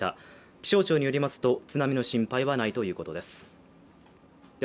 気象庁によりますと津波の心配はないということです。